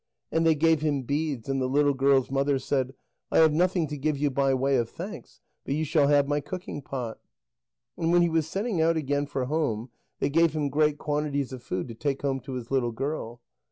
And they gave him beads, and the little girl's mother said: "I have nothing to give you by way of thanks, but you shall have my cooking pot." And when he was setting out again for home, they gave him great quantities of food to take home to his little girl.